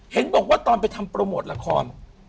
เห็นบอกว่าตอนไปทำโปรโมทละคร